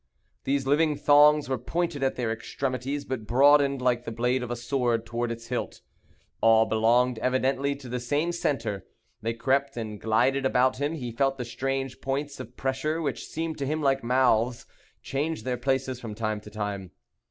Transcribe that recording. These living thongs were pointed at their extremities, but broadened like the blade of a sword toward its hilt. All belonged evidently to the same centre. They crept and glided about him; he felt the strange points of pressure, which seemed to him like mouths, change their places from time to time.